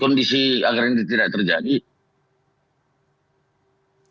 kondisi agar ini tidak terjadi